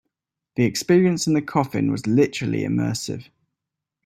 The experience in the coffin was literally immersive.